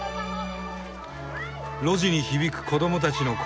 路地に響く子どもたちの声。